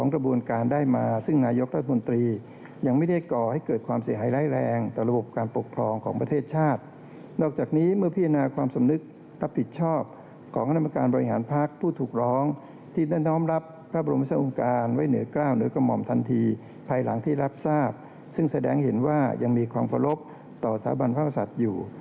นอกจากนี้เมื่อพิจารณาความสำนึกรับผิดชอบของคณะประการบริหารพลักษณะผู้ถูกร้องที่ได้น้องรับพระบริษัทองค์การไว้เหนือกล้าวเหนือกระหมอมทันทีภายหลังที่รับทราบซึ่งแสดงเห็นว่ายังมีความควบคลบต่อสถาบันพระศัตริย์อยู่